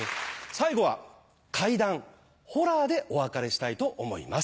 最後は怪談ホラーでお別れしたいと思います。